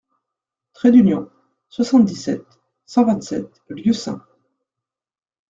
Trait d'Union, soixante-dix-sept, cent vingt-sept Lieusaint